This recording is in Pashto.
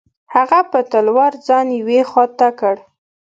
هغه په تلوار ځان یوې خوا ته کړ.